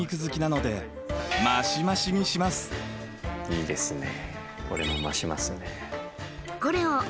いいですね。